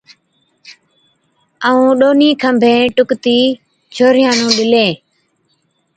ائُون ڏونهِين کنڀين ٽُڪتِي ڇوهرِيان نُون ڏِلين،